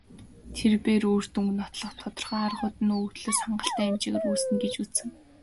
Тэр бээр үр дүнг нотлох тодорхой аргууд нь өгөгдлөөс хангалттай хэмжээгээр үүснэ гэж үзсэн.